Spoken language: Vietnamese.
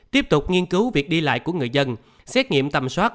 tiếp tục nghiên cứu việc đi lại của người dân xét nghiệm tầm soát